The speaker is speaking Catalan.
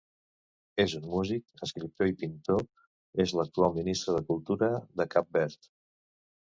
És un músic, escriptor i pintor, és l’actual ministre de Cultura de Cap Verd.